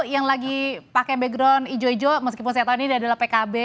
yang lagi pakai background ijo ijo meskipun saya tahu ini adalah pkb